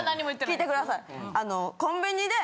聞いてください。